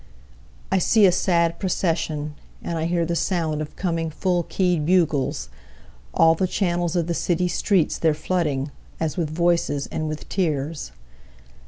3I see a sad procession, And I hear the sound of coming full key'd bugles; All the channels of the city streets they're flooding, As with voices and with tears.